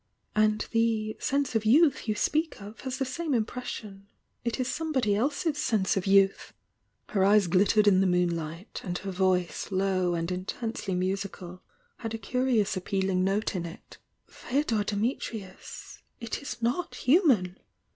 And the 'sense of youth you speak of has the same impression— it is some body else's sense of youth!" Her eyes ghttered in the moonlight, and her voice, low and »ntensely musical, had a curious appealing note m it. F^odor Dimitrius, U w not human!"